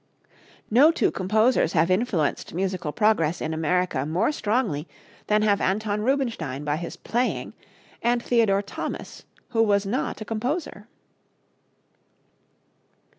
No two composers have influenced musical progress in America more strongly than have Anton Rubinstein by his playing, and Theodore Thomas, who was not a composer."